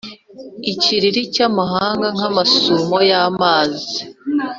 ikiriri cy’amahanga nk’amasumo y’amazi!